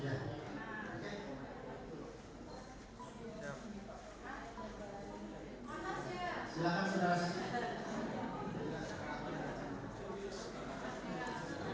yang berkaitan inovasi ya